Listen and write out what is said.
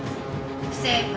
不正解。